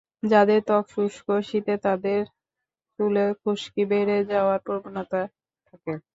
যাঁদের ত্বক শুষ্ক শীতে তাঁদের চুলে খুশকি বেড়ে যাওয়ার প্রবণতা থাকে।